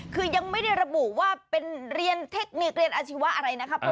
คือยังไม่ได้ระบุว่าเป็นเรียนเทคนิคเรียนอาชีวะอะไรนะครับ